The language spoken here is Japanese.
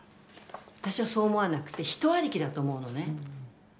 私はそう思わなくて人ありきだと思うのね。